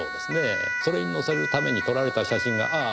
それに載せるために撮られた写真がああ